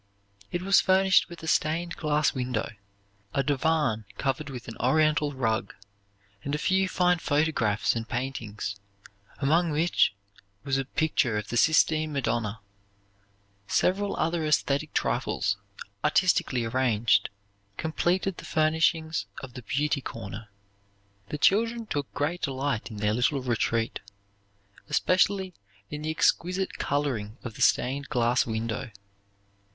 It was furnished with a stained glass window, a divan covered with an Oriental rug, and a few fine photographs and paintings, among which was a picture of the Sistine Madonna. Several other esthetic trifles, artistically arranged, completed the furnishings of the "beauty corner." The children took great delight in their little retreat, especially in the exquisite coloring of the stained glass window.